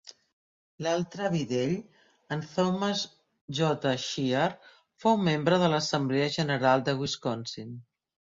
L'altre avi d'ell, en Thomas J. Shear, fou membre de l'Assemblea General de Wisconsin.